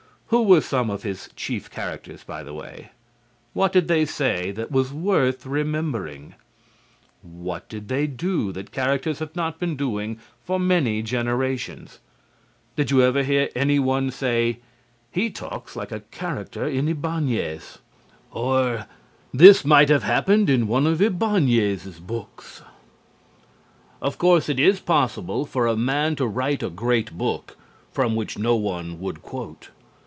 Who were some of his chief characters, by the way? What did they say that was worth remembering? What did they do that characters have not been doing for many generations? Did you ever hear anyone say, "He talks like a character in Ibáñez," or "This might have happened in one of Ibáñez's books"? Of course it is possible for a man to write a great book from which no one would quote.